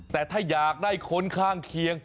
แต่ถ้าอยากได้คนข้างเคียง